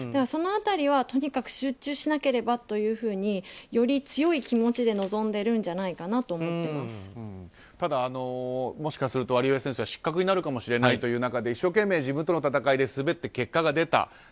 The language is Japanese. その辺りは、とにかく集中しなければというふうにより強い気持ちで臨んでいるんじゃないかとただ、もしかするとワリエワ選手は失格になるかもしれない中で一生懸命、自分との闘いで滑って結果が出た。